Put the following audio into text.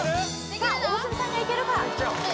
さあ大角さんがいけるか？